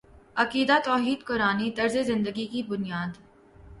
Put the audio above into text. عقیدہ توحید قرآنی طرزِ زندگی کی بنیاد